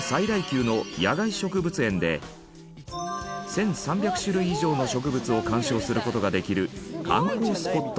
１３００種類以上の植物を観賞する事ができる観光スポット。